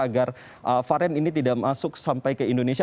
agar varian ini tidak masuk sampai ke indonesia